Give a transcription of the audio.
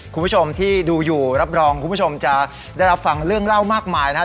คุณผู้ชมที่ดูอยู่รับรองคุณผู้ชมจะได้รับฟังเรื่องเล่ามากมายนะครับ